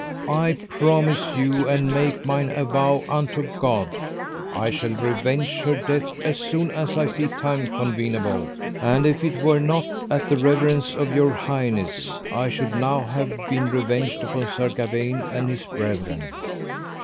I promise you, and make mine avow unto God, I shall revenge her death as soon as I see time convenable. And if it were not at the reverence of your highness I should now have been revenged upon Sir Gawaine and his brethren.